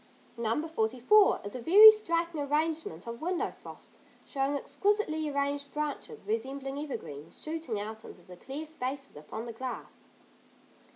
No. 44 is a very striking arrangement of window frost, showing exquisitely arranged branches, resembling evergreens, shooting out into the clear spaces upon the glass.